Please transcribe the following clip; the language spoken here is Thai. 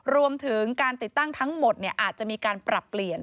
รวมถึงการติดตั้งทั้งหมดอาจจะมีการปรับเปลี่ยน